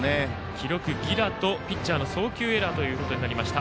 記録、犠打とピッチャーの送球エラーとなりました。